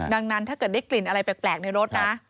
ดังนั้นถ้าเกิดได้กลิ่นอะไรแปลกในรถนะ